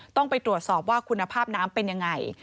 ต้องไปตรวจสอบว่าคุณภาพน้ำเป็นยังไง